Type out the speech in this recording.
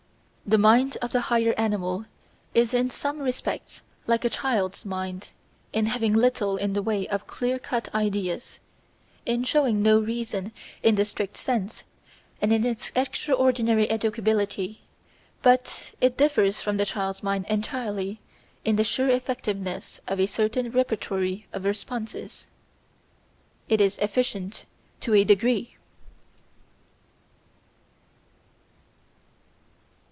The mind of the higher animal is in some respects like a child's mind, in having little in the way of clear cut ideas, in showing no reason in the strict sense, and in its extraordinary educability, but it differs from the child's mind entirely in the sure effectiveness of a certain repertory of responses. It is efficient to a degree.